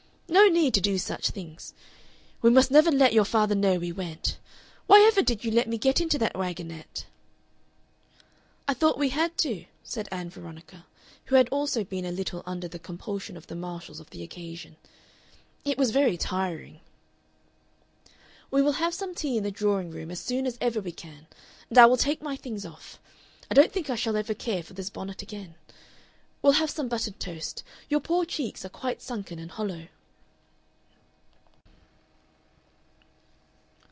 No need to do such things. We must never let your father know we went. Why ever did you let me get into that wagonette?" "I thought we had to," said Ann Veronica, who had also been a little under the compulsion of the marshals of the occasion. "It was very tiring." "We will have some tea in the drawing room as soon as ever we can and I will take my things off. I don't think I shall ever care for this bonnet again. We'll have some buttered toast. Your poor cheeks are quite sunken and hollow...."